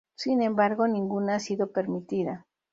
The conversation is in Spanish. Sin embargo, ninguna ha sido permitida.